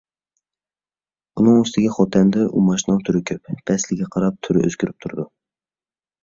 ئۇنىڭ ئۈستىگە خوتەندە ئۇماچنىڭ تۈرى كۆپ. پەسىلگە قاراپ تۈرى ئۆزگىرىپ تۇرىدۇ.